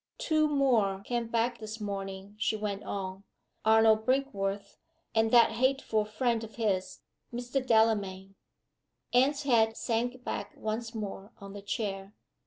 "Two more came back this morning," she went on. "Arnold Brinkworth and that hateful friend of his, Mr. Delamayn." Anne's head sank back once more on the chair.